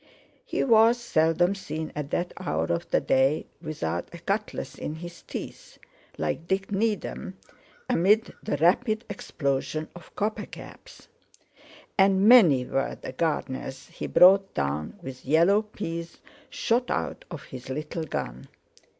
He was seldom seen at that hour of the day without a cutlass in his teeth (like Dick Needham) amid the rapid explosion of copper caps. And many were the gardeners he brought down with yellow peas shot out of his little gun.